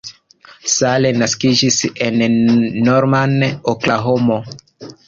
Salle naskiĝis en Norman, Oklahomo.